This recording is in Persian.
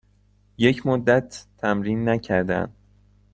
یک مدت تمرین نکردم.